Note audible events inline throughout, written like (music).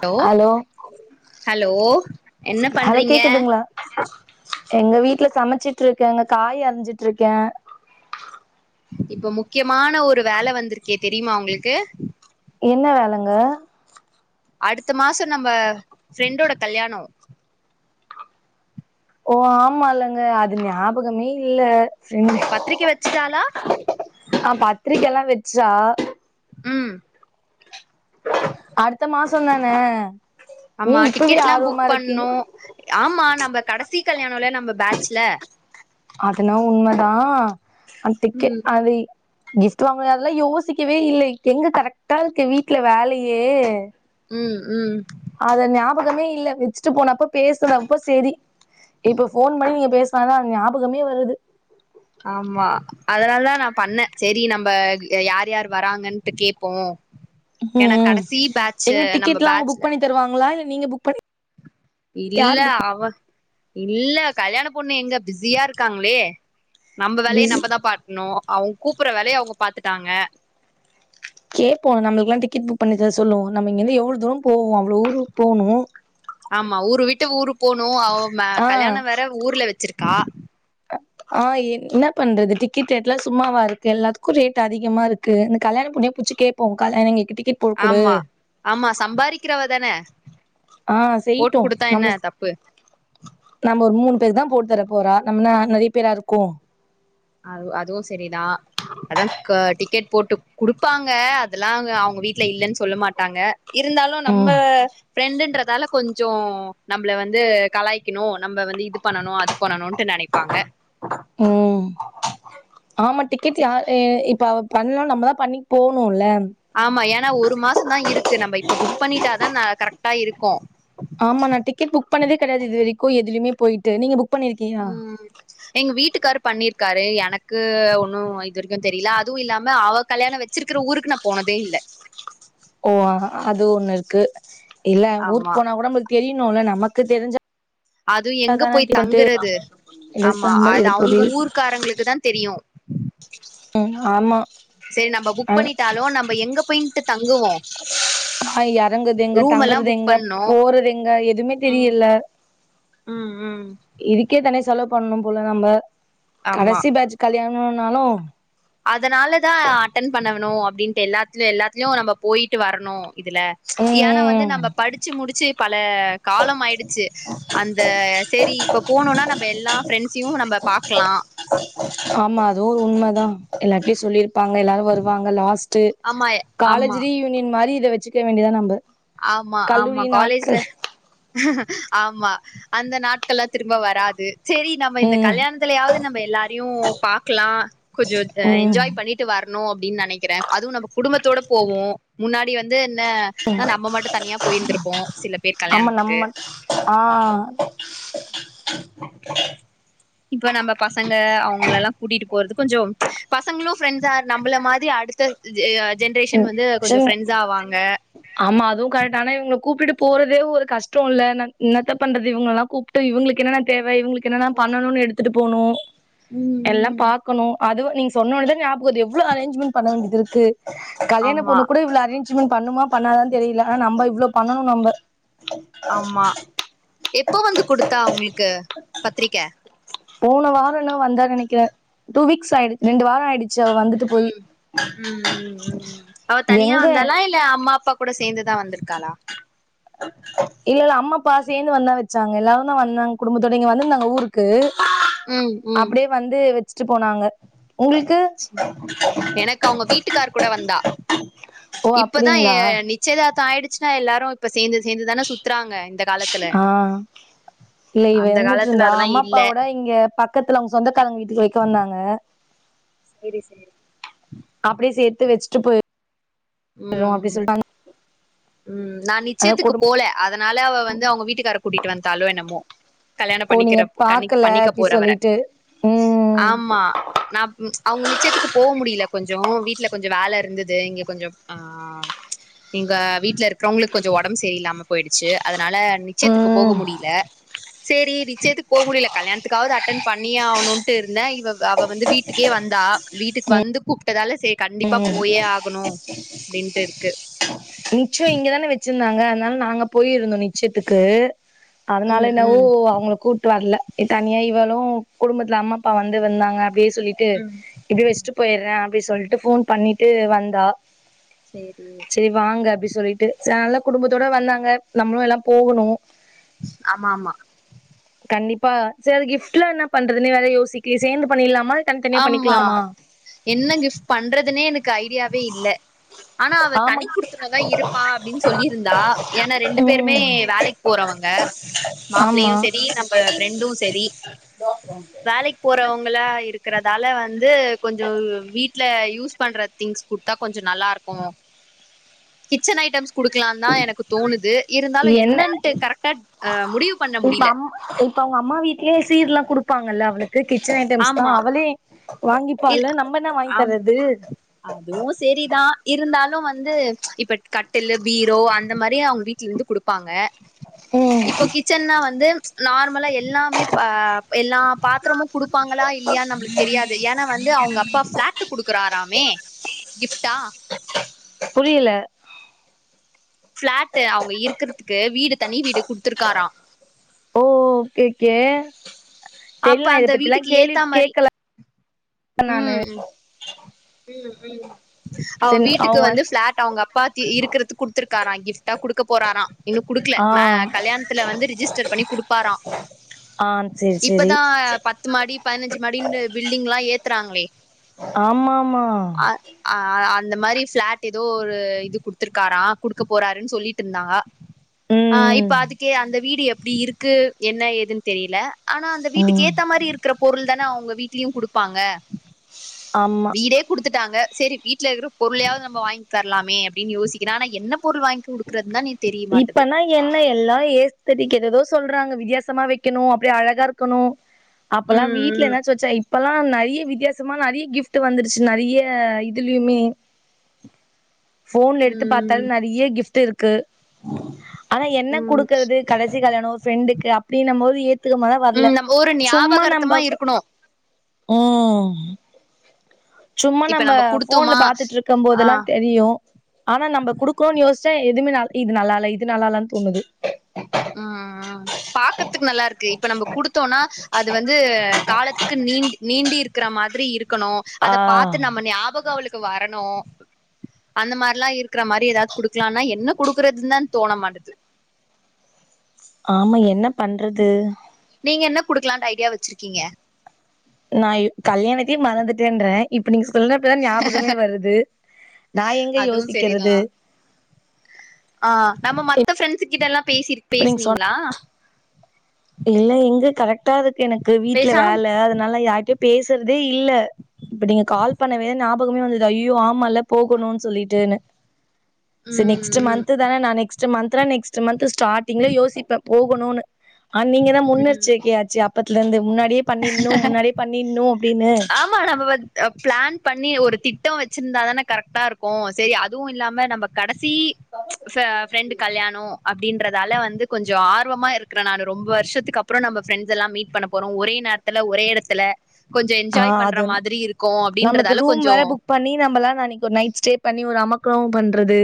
hello hello என்ன hello பண்றீங்க கேக்குதுங்களா எங்க வீட்ல சமைச்சுட்டு இருக்கேங்க காய் அருஞ்சுட்ருக்கே இப்ப முக்கியமான ஒரு வேல வந்துருக்கே தெரியுமா ஒங்களுக்கு என்ன வேலங்க அடுத்த மாசோ நம்ப ஃப்ரெண்டோட கல்யாணோ ஓ ஆமால்லங்க அது ஞாபகமே இல்ல ஃப்ரண்டு பத்திரிக்க வச்சுடாலா ஆ பத்திரிக்கல்லா வெச்சா ம் அடுத்த மாசோந் தான ஏ ஆமா இப்பவே டிக்கெட்லா புக் ஆர்வமா இருக்கிங் பண்ணு ஆமா நம்ப கடசி கல்யாணோல்ல நம்ம பேச்ல அதென்னவோ உண்மதா அத்தைக்கு ம் அது கிஃப்ட் வாங்கனுமே அதெல்லா யோசிக்கவே இல்ல எங்க கரெக்ட்டா இருக்கு வீட்ல வேலையே ம் ம் அத ஞாபகமே இல்ல வச்சுட்டு போனப்ப பேசுனப்ப செரி இப்ப ஃபோன் பண்ணி நீங்க பேச இப்பதா ஞாபகமே வருது ஆமா அதனால தா நா பண்ணே சேரி நம்ப யார் யார் வராங்கன்ட்டு கேப்போ ம் எனக் கடசீ பேட்சு நம்ம பேச்ல தருவங்களா இல்ல நீங்க புக் பண்ணி இல்ல யாரு புக் அவ இல்ல கல்யாண பொண்ணு எங்க பிஸியா இருக்காங்ளே நம்ப வேலைய பிஸி நம்ப தா பாட்ணு அவுங் கூப்பட்ற வேலைய அவுங்க பாத்துட்டாங்க கேப்போ நம்ளுக்குலா டிக்கெட் புக் பண்ணி தர சொல்லுவோ நம்ம இங்கிர்ந்து எவ்வள் தூரோ போவோ அவ்ளோ ஊருக் போணு ஆமா ஊரு விட்டு ஊரு போணு அவ மே ஆ கல்யாணோ வேற ஊர்ல வெச்சிருக்கா அ ஆ என் இன்னா பண்றது டிக்கெட் ரேட்லா சும்மாவா இருக்கு எல்லாத்துக்கு ரேட் அதிகமா இருக்கு இந்த கல்யாண பொண்ணே புட்ச்சி கே ப்போ கல்யாண எங்கள்க்கு டிக்கெட் போட்டு குடு ஆமா ஆமா சம்பாரிக்கறவ தான ஆ போட்டு செய்யிட்டு குடுத்தா என்ன நம்ம தப்பு நம்ம ஒரு மூணு பேருக் தா போட் தர போறா நம்ம என்ன நெறய பேரா இருக்கோ அது அதுவு செரிதா அதா க டிக்கெட் போட்டு குடுப்பாங்க அதெல்லாங்க அவுங்க வீட்ல இல்லன் சொல்ல மாட்டாங்க இருந்தாலு ம் நம்ம ஃப்ரெண்டுன்றதால கொஞ்சோ நம்பள வந்து கலாய்க்கணு நம்ப வந்து இது பண்ணனு அது பண்ணனுன்ட்டு நெனைப்பாங்க ம் ஆமா டிக்கெட் யா எ இப்ப அவ பண்ணு நம்ம தா பண்ணி போணுல்ல ஆமா ஏனா ஒரு மாசந்தா இருக்கு நம்ப இப்ப புக் பண்ணிட்டாதா ந கரெக்ட்டா இருக்கும் ஆமா நா டிக்கெட் புக் பண்ணதே கெடையாது இது வரைக்கு எதுலிமே போய்ட்டு நீங்க புக் பண்ணிருக்கியா ம் எங்க வீட்டுக்காரு பண்ணீர்க்காரு எனக்கு ஒன்னு இது வரைக்கு தெரில அதுவு இல்லாம அவ கல்யாணோ வெச் சிருக்கற ஊருக்கு நா போனதே இல்ல ஓ அ அது ஒன்னுருக்கு இல்ல ஊருக்கு ஆமா போனா கூட நம்ளுக் தெரியணுல்ல நமக்கு தெரிஞ்ச அது எங்க போய் தங்கறது இது ஆமா சாம்பார் அது இது அவுங்க பொரியல் ஊர்க்காரங்களுக்கு தா தெரியு ஆமா ஆமா சேரி நம்ப புக் அ பண்ணிட்டாலு நம்ப எங்க போயின்ட்டு தங்குவோ ஆ எறங்கற்தெங்க ரூம் எல்லா புக் தங்கறதெங்க பண்ணோ போறதெங்க எதுமே ம் தெரியல ம் ம் இதுக்கே தனியா செலவ் பண்ணு போல நம்ப ஆமா கடைசி பேஜ் கல்யாணோன்னாலு அதனாலதா அட்டன் பண்ணனு அப்டின்ட்டு எல்லாத்லயு எல்லாத்லயு நம்ப போய்ட்டு வரணு இதுல ஏனா வந்து ம் நம்ப படிச்சி முடிச்சி பல காலமாயிடுச்சி அந்த செரி இப்ப போணுன்னா நம்ப எல்லா ஃப்ரெண்ஸ் ஸயு நம்ப பாக்கலா ஆமா அதுவு ஒரு உண்மதா எல்லார்ட்டியு சொல்லிருப் பாங்க எல்லாரு வருவாங்க லாஸ்ட்டு ஆமா ஆமா காலேஜ் ரீயூனியன் மாரி இத வெச்சுக்க வேண்டியதா நம்ப ஆமா ஆமா கல்லூரி காலேஜ்ல நாட்கள் ஆமா அந்த நாட்கள்லா திரும்ப வராது செரி நம்ம இந்த ம் கல்யாணத்துலயாவ்து நம்ப எல்லாரயு பாக்லா கொஞ்சோ அ ம் என்ஜாய் பண்ணிட்டு வர்ணு அப்டின் நெனக்கறே அதுவு நம்ப குடும்பத்தோட போவோ முன்னாடி வந்து என்ன அ நம்ம மட்டு தனியா போய்ருந்திருப்போ சில பேர் ஆமா கல்யாண்த்துக்கு நம்ம ஆ இப்ப நம்ம பசங்க அவுங்களலா கூட்டிட்டு போறது கொஞ்சோ பசங்களு ஃப்ரெண்ட்ஸா நம்பள மாரி அடுத்த ஜெ ஜென்ரேஷன் வந்து கொஞ்சோ ஃப்ரெண்ட்ஸ் ஆவாங்க ஆமா அதுவு கரெக்ட் ஆனா இவங்கள கூப்ட்டு போறதே ஒரு கஷ்ட்டோல நா என்னத்த பண்றது இவங்கல்லா கூப் ட்டு இவங்களுக்கு என்னன்னா தேவ இவங்களுக்கு என்னன்னா பண்ணணு எடுத்துட்டு போணு ம் எல்லா ம் பாக்கணு அதுவு நீங்க சொன்னவொன தா ஞயாபக வருது எவ்ளோ அரேஞ்மெண்ட் பண்ண வேண்டியது இருக்கு கல்யாண ஆமா பொண்ணு கூட இவ்ளோ அரேஞ்மெண்ட் பண்ணுமா பண்ணாதா தெரியல ஆனா நம்ப இவ்ளோ பண்ணணு நம்ப ஆமா எப்ப வந்து குடுத்தா அவுங்களுக்கு பத்திரிக்க போன வாரனு வந்தா நெனைக்கிறே டூ வீக்ஸ் ஆயிடு ரெண்டு வார ஆயிடுச்சு அவ வந்துட் ம் ம் ம் ம் அவ தனியா எங்க வந்தாளா இல்ல அம்மா அப்பா கூட சேந்துதா வந்திருக்காளா இல்லல்ல அம்மாப்பா சேந்து வந்தா வச்சாங்க எல்லாரு தா வந்தாங்க குடும்பத்தோட இங்க வந்திருந்தாங்க ஊர்க் கு ம் ம் அப்டியே வந்து வச்சிட்டு போனாங்க உங்களுக்கு எனக்கு அவுங்க வீட்டுக்கார் கூட வந்தா ஓ இப்பதா ஏ அப்டிங்களா நிச்சயதார்த்தோ ஆயிடுச்சுன்னா எல்லாரு இப்ப சேந்து சேந்துதானே சுத்துறாங்க இந்த காலத்துல ஆ இல்ல இவ அந்த இருந்துட்டு காலத்துல இருந்தா அதெல்லா அம்மா இல்ல அப்பாவோட இங்க பக் பக்கத்துல அவுங்க சொந்தக்காரங்க வீட்டுக்கு வைக்க வந்தாங்க செரி செரி அப்டியே சேத்து வச்சுட்டு போயி ம் ம் ம் நா அதா குடும்ப நிச்சயத்துக்கு போல அதனால அவ வந்து அவுங்க வீட்டுக் கார கூட்டிட்டு வன்டாலோ என்னமோ கல்யாண ஓ நீங்க பண்ணிக்கிர கண்ணிக் பாக்கல பண்ணிக்கப் அப்டி போறவர சொல்லிட்டு ம் ஆமா நா ம் அவுங்க நிச்சயத்துக்கு போ முடியல கொஞ்சோ வீட்ல கொஞ்ச வேல இருந்தது இங்க கொஞ்சோ ஆ இங்க வீட்ல இருக்றவங்களுக்கு கொஞ்சோ ஒடம்பு செரியில்லாம போயிடுச்சு அதனால நிச்சயத்துக்கு போக ம் முடியல செரி நிச்சத்துக்கு போ முடியல கல்யாணத்துக்காது அட்டன் பண்ணியே ஆவணுன்ட்டு இருந்தே இவ அவ வந்து வீட் டுக்கே வந்தா வீட்டுக்கு வந்து கூப்ட்டதாலே செரி கண்டிப்பா போயே ஆகணு அப்டின்ட்டு இருக்கு (inaudible) நிச்சய இங்கதானே வச்சிருந்தாங்க அதனால நாங்க போயிருந்தோ நிச்சயத்துக்கு அதனால ம் என்னாவோ ம் அவுங்கள கூப் ட்டு வர்ல தனியா இவளு குடும்பத்துல அம்மா அப்பா வந்து வந்தாங்க அப்டியே சொல்லிட்டு ம் இப்டி வச்சிட்டு போயிற அப்டி சொல்லிட்டு ஃபோன் பண்ணிட்டு வந்தா சேரி செரி வாங்க அப்டி சொல்லிட்டு நல்ல குடும்பத்தோட வந்தாங்க நம்மளு எல்லா போகணு ஆமா ஆமா கண்டிப்பா செரி கிஃப்ட்ல்லா என்ன பண்றதுன்னே வேற யோசிக்லே சேந்து பண்ணிலாமா ஆமா என்ன கிஃப்ட் பண்றதுனே எனக்கு ஐடியாவே இல்ல ஆனா அவ ஆமா தனி குடுத்துனதா இருப்பா அப்டின்னு சொல்லியிருந்தா ஏனா ரெண்டு பேருமே ம் வேலைக் போறவங்க மாப்பிளயு ஆமா செரி நம் ஃப் ஃப்ரெண்டு செரி வேலைக்கி போறவங்ளா இரு இருக்கறதால வந்து கொஞ்சோ வீட்ல யூஸ் பண்றத் திங்ஸ் குடுத்தா கொஞ்சோ நல்லாருக்கு கிச்சன் ஐட்டம்ஸ் குடுக்கலான்தா எனக்கு தோணுது இருந்தாலு என்ன என்னன்ட்டு கரெக்டா அ முடிவு பண்ண இப்ப முடியல அம் இப்ப அவங்க அம்மா வீட்லே சீர்லா குடுப்பாங்கல்ல அவளுக்கு கிச்சன் ஐட்டம்ஸ் தா ஆமா அவளே இல் வாங்கிப்பால்ல நம்ம என்ன வாங்கி ஆம் தர்ரது அதுவு செரிதா இருந்தாலு வந்து இப்ப கட்டலு பீரோ அந்த மாரிய அவங்க வீட்ல இருந்து குடுக் ப்பாங்க இப்போ கிச்சன்னா வந்து நார்மலா எல்லா எல்லாமே பா எல்லா பாத்ரமு குடுப்பாங்களா இல்லயான் நம்மளுக்கு தெரியாது ஏன்னா வந்து அவுங்க அப்பா ஃபிளாட் ட்டு குடுக்குறாராமே கிஃப்டா புரியில ஃப்ளாட்டு அவங்க இருக்குறதுக்கு வீடு தண்ணி வீடு குடுத்துருக்காரா ஓ கேக்கே அப்ப தெரில நா இத அந்த பத்தில்லா வீட்டுக்கு கேள்வி ஏத்தா மாரி கேக்கல நானு ம் ம் ம் அவ செரி வீட்டுக்கு அவங்க வந்து ஃப்ளாட் அவங்க அப் பாத்தி இருக்குறதுக் குடுத்துருக்காரா கிஃப்ட்டா குடுக்க போறாரா இன்னு குடுக்கல ஆ ம கல்யாணத்துல வந்து ரிஜிஸ்டர் பண்ணி குடுப்பாரா ஆ செரி செரி இப்பதா பத்து மாடி பதினஞ்சி மாடினு பில்டிங்ல்லா ஏத்துறாங்ளே ஆமா மா அ அந்த மாரி ஃப்ளாட் ஏதோ ஒரு இது குடுத்துர்காரா குடுக்க போறாருன் சொல்லிட்டு இருந்தாக அ ம் இப்ப அதுக்கே அந்த வீடு எப்டி இருக்கு என்ன ஏதுன் தெரில ஆனா அந்த வீட்டுக்கு ம் ஏத் த்த மாரி இருக்குற பொருள் தான அவங்க வீட்லயு குடுப்பாங்க ஆமா இதே குடுத்துட்டாங்க சரி வீட்ல இருக்குற பொருளயாவது நம்ப வாங்கி தரலாமே அப்டின் யோசிக்கிற ஆனா என்ன பொருள் வாங்கிகுடு ப்ரத் நானே இப்பனய் என்ன எல்லா ஏஸ்தடிக் எதெதோ சொல்றாங்க வித்தியாசமா வெக்கணு அப்டி அழகா இருக்கணு அப்பெல்லா வீட் இல்ல ம் ம் ஏதாச்சு வெச்சா இப்பல்லா நறிய வித்தியாசமா நறிய கிஃப்ட் வந்துருச்சு நறிய இதுலயுமே ஃபோன்ல எடுத்து பாத்தாலு ம் நறிய கிஃப்ட் இருக்கு ஆனா என்ன ம் குடுக்குறது கடசி கல்யாணோ ஒரு ஃப்ரெண்டுக்கு அப்டினு போது ஏத் த்துக்கமா வர்ல ம் நம்ம ஒரு சும்மா ஞாபகார்த்தமா நம்ப இருக்கணு ம் ம் சும்மா இப்ப நம்ப நம்ம ஃபோன்ல குடுத்தோமா பாத்துட்டுருக்கும் ஆ போதெல்லா தெரியு ஆனா நம்ப குடுக்ணோ யோசிச்சா எதுமே நால் இது நல்லால இது நல்லாலன் தோணுது ம் ம் பாக்குறதுக்கு நல்லா இருக்கு இப்ப நம்ப குடுத்தோனா அது வந்து காலத்துக்கு நீண்டி நீண்டி இருக்குற மாதிரி இருக்கணு ஆ அத பாத்து நம்ம ஞாபகோ அவளுக்கு வரணு அந்த மாரிலா இருக்குற மாரி ஏதாது குடுக்லானா என்ன குடுக்குறது தா தோண மாட்டது ஆமா என்ன பண்றது நீங்க என்ன குடுக்கலான்ட் ஐடியா வச்சிருக்கீங்க நாயு கல்யாணத்தையே மறந்துட்டேன்ற இப்ப நீங் சொல்னப்பதா ஞாபகமே வருது நா எங்க அதுவு சரிதா யோசிக்கிறது ஆ நம்ம மத்த ரெண்ட்ஸு கிட்டல்லா பேசிர் இப்ப நீங்க சொன்ன பேஸ்னீங்ளா இல்ல எங்க கரெக்டாதுக்கு எனக்கு வீட்ல பேசாம் வேல அதனால யார்ட்டையு பேசுறதே இல்ல இப்ப நீங்க கால் பண்ணவே ஞாபகமே வந்தது ஐயையோ ஆமால்ல போகணுன் சொல்லிட்டுனு ச நெக்ஸ்ட் ம் மன்த் தான நா நெக்ஸ்ட் மந்த்னா நெக்ஸ்ட் மந்த் ஸ்டார்டிங்லே யோசிப்ப போகணுனு அன் நீங்க தா ம் ம் முன்னர்ச்சிக்கையாச்சே அப்பத்துலந்து முன்னாடியே பண்ணிணு முன்னாடியே பண்ணிணு அப்டினு ம்ம நம்ம பத் அ ப்ளான் பண்ணி ஒரு திட்டோ வச்சிருந்தா தான கரெக்ட்டா இருக்கு சரி அதுவு இல்லாம நம்ப கடைசி ச ஃப்ரெண்டு் கல்யானோ அப்டின்றதால வந்து கொஞ்சோ ஆர்வமா இருக் நானு ரொம்ப வர்ஷத்துக்கப்றோ நம்ப ஃப்ரெண்ட்ஸ் எல்லா மீட் பண்ண போறோ ஒரே நர்த்துல ஒரே எடத்துல கொஞ்ச ஆ என்ஜாய் பண்ற அது மாதிரி இருக்கொ நமக்கு அப்டின்றதால ரூம் கொஞ்சோ வேற புக் பண்ணி நம்மல்லா நனைக்கு நைட் ஸ்டே பண்ணி ஒரு அமக்களோ பண்றது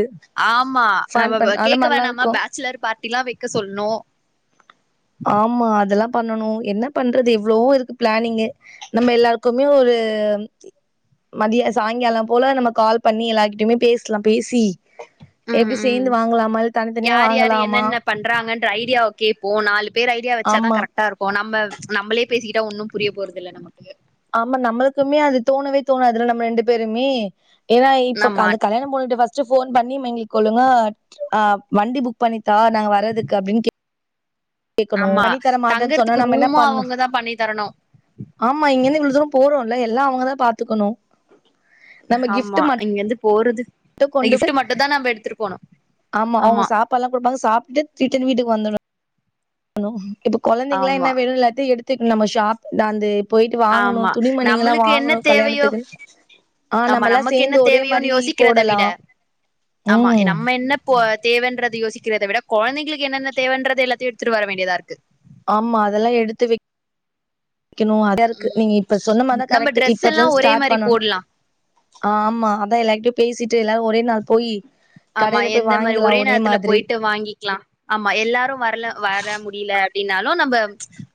ஆமா ஃபன் நம்மவ் பண் அந்த கேக்க மாரிலா வேணாமா இருக்கு பாச்சுலர் பாட்டி லா வெக்க சொல்னு ஆமா அதெல்லா பண்ணணு என்ன பண்றது எவ்ளவோ இருக்கு ப்ளானிங்கு நம்ம எல்லார்க்குமே ஒரு மதிய சாய்ங்கால போல நம்ம கால் பண்ணி எல்லாகிட்டயுமே பேஸ்லா பேசி உம் எப்டி உம் சேந்து வாங்கலாமா இல் தனித்தனியா யார் யாரு வாங்கலாமா என்னென்ன பண்றாங்கன்ற ஐடியாவ் கேப்போ நாலுபேர் ஐடியா வச்சா தா ஆமா கரெக்டா இருக் இப்போ நம்ப நம்பளே பேசிக்கிட்டா ஒன்னு புரிய போறதில்ல நமக்கு ஆமா நம்மளுக்குமே அது தோணவே தோணதுல நம்ம ரெண்டு பேருமே ஏன்னா இப்போ ஆமா கந் கல்யாண போண்ட்டு பஸ் ட்டி ஃபோன் பண்ணி எங்ளுக் ஒழுங்க ஆ வண்டி புக் பண்ணித் தா நாங்க வரதுக்கு அப்டின் கே கேக்கனு ஆமா பண்ணித்தர மாட்டே சொன்னா தங்கறதுக்கு நம்ம என்ன ரூமு பண்ணோ அவங்கதா பண்ணி தரனு மா இங்கந்து இவ்ளோ தூரோ போறோல்ல எல்லா அவங்க தா பாத்துக்கணு நம்ம கிஃப்ட் ஆமா இங்கேந்து போறது மட்டும் கொண்டு போய் கிஃப்ட்டு மட்டுதா நம்ம எடுத்துட்டு போனு ஆமா பாள குடுப்பாங்க சாப்ட்டுட்டு திட்டன் வீட்டுக்கு வந்துர்னு இப்ப கொழந்தைங்ள என்ன ஆமா வேணுல்லாத்தையு எடுத் திட் நம்ம ஷாப் அந்து போய்ட்டு வாங்கணு ஆமா துணிமணிங்கல்லா நம்மளுக்கு என்ன வாங்கணு தேவையோ கல்யாணத்துக்குன் ஆ ஆமா நம்மல்லா நமக்கு என்ன சேந்து ஒரே மாரி தேவையோன்னு யோசிக்கிறத போடலா ம் என்னப்போ தேவன்றது யோசிக்கிறத விட கொழந்தைகளுக்கு என்னென்ன தேவன்றது எல்லாத்தையு எடுத்துட்டு வர வேண்டியதா இருக்கு ஆமா அதெல்லா எடுத்து வெக் கேணு அத் தர்க்கு ம் நீங்க இப்ப சொன்னமாரி தா நம்ம கரெக்ட்டு ட்ரெஸ் எல்லா இப்பத்லந் ஒரே ஸ்டாட் மாரி பண்ணணு போட்லா ஆமா அதா எல்லாக்கிட்யு பேசிட்டு எல்லாரு ஒரே நாள் போயி ஆமா கடையில போய் எந்த மாரி வாங்கிலா ஒரே நேரத்துல மாதிரி போய்ட்டு வாங்கிக்லா ஆமா எல்லாரு வர்ல வர முடில அப்டின்னாலு நம்ப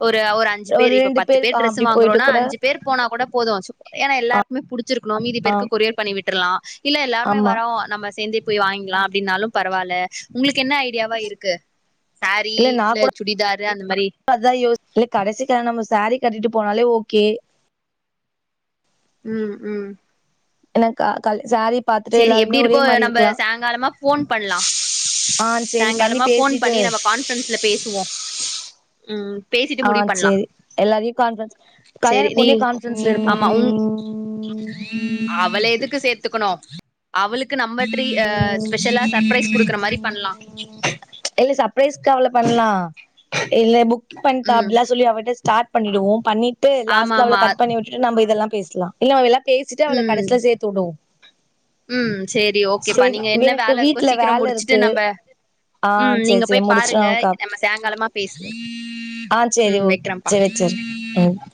ஒரு ஒரு அஞ்சு பேர் இப்ப ரெண்டு பத்து பேர் ஆ ட்ரெஸ்சு அப்டி போயிட்டு வாங்குறோனா கூட அஞ்சு பேர் போனா கூட போது சு ஏன்னா எல்லார்க் மே புடிச்சிர்க்கணு மீதி பேர்க்கு கொரியர் பண்ணி விட்டுர்லா இல்ல எல்லாருமே ஆமா வரோ நம்ப சேந்தே போய் வாய்ங்லா அப்டின்னாலு பரவால்ல உங்ளுக்கு என்ன ஐடியாவா இருக்கு சாரீ நா இல்ல கூட சுடிதாரு அந்த மாரி அதா யோஸ் இல்ல கடசி கால நம்ம சாரீ கட்டிட்டு போனாலே ஓகே ம் ம் எனக்கா கல் சாரீ பாத்துட்டே சேரி எல்லாருமே எப்டி ஒரே இருக்கோ மாரி நம்ம இருக்லா சாயங்காலமா ஃபோன் பண்லா ஆன் சேரி பண்ணி பேசிட்டு மன்சில பேசுவோ ம் பேசிட்டு ஆ முடிவ் பண்லா சேரி எல்லாரையு கான்ஃபரன்ஸ் கல்யாண சரி நீ பொண்ணே கூ கான்ஃபரன்ஸ்ல எடுப்போ ஆமா உம் அவள எதுக்கு சேத்துக்கணு அவளுக்கு நம்மட்ற்றி ஆ ஸ்பெஷலா சர்ப்ரைஸ் குடுக்குற மாரி பண்லா இல்ல சர்ப்ரைஸ்க்கவ்ல பண்லா இல்ல புக் பண்ட்ட ம் அப்டிலா சொல்லி அவட்ட ஸ்டாட் பண்ணிடுவோ பண்ணிட்டு ஆமா லாஸ்ல அவள ஆமா கட் பண்ணி விட்டுட்டு நம்ம இதெல்லா பேஸ்லா இல்ல அவ் எல்லா பேசிட்டு அவள ம் கடசில சேத்து உடுவோ ம் சேரி ஓகேப்பா சேரீ நீங்க என்ன எனக்கு வேல இருக்கோ வீட்ல சீக்கிரம் முடிச்சுட்டு வேலருக்கு நம்ப ஆ ம் நீங்க சேர் சேரி போய் பாருங்க முடிச்ட்டோக்கா நம்ம சாயங்காலமா பேசுவோ ஆ சேரி ம் ஓகே வெக்கிறம்ப்பா சேரி சேரி ஒ